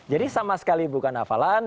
jadi sama sekali bukan hafalan